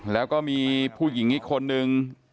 แล้วก็มีผู้หญิงอีกคนนึง